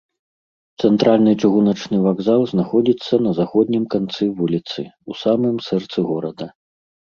Цэнтральны чыгуначны вакзал знаходзіцца на заходнім канцы вуліцы, у самым сэрцы горада.